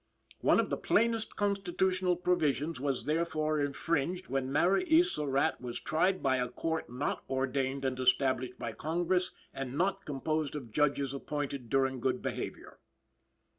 "One of the plainest constitutional provisions was, therefore, infringed when" (Mary E. Surratt) "was tried by a court not ordained and established by Congress, and not composed of judges appointed during good behavior."